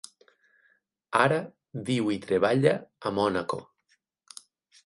Ara viu i treballa a Mònaco.